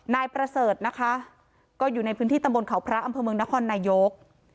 นายประเสริฐนะคะก็อยู่ในพื้นที่ตำบลเขาพระอำเภอเมืองนครนายก